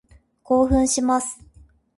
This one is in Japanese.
興奮します。